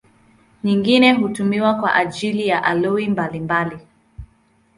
Nyingine hutumiwa kwa ajili ya aloi mbalimbali.